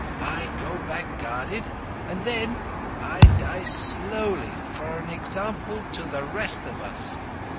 I go back guarded, and then—I die slowly for an example to the rest of Us.